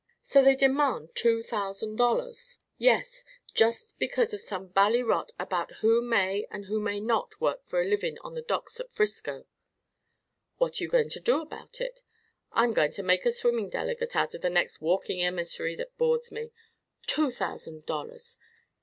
"So they demand two thousand dollars!" "Yes! Just because of some bally rot about who may and who may not work for a living on the docks at Frisco." "What are you going to do about it?" "I'm going to make a swimming delegate out of the next walking emissary that boards me. Two thousand dollars!"